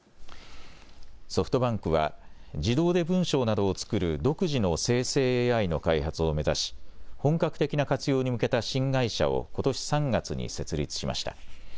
ソフトバンクは自動で文章などを作る独自の生成ＡＩの開発を目指し、本格的な活用に向けた新会社をことし３月に設立しました。